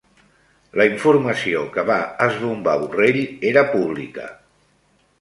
La informació que va esbombar Borrell era pública